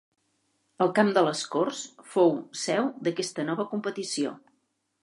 El camp de les Corts fou seu d'aquesta nova competició.